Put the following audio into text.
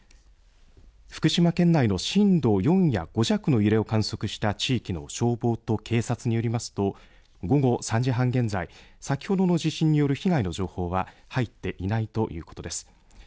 福島県内の震度４や５弱の揺れを観測した地域の消防と警察によりますと午後３時半現在、先ほどの地震による被害の情報は入っていないということです。